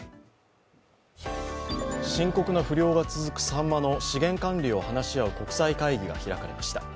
深刻な不漁が続くさんまの資源管理を話し合う国際会議が行われました。